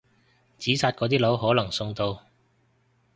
紙紮嗰啲樓可能送到！